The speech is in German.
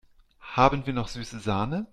Haben wir noch süße Sahne?